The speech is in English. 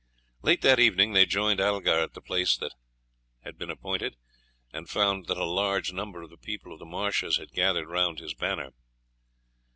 Late that evening they joined Algar at the place they had appointed, and found that a large number of the people of the marshes had gathered round his banner.